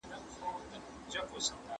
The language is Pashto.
زه اوس پاکوالي ساتم!!